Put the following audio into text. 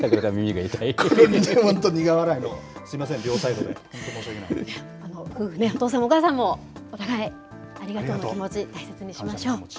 本当苦笑いの、すみません、お父さんもお母さんも、お互いありがとうの気持ち、大切にしましょう。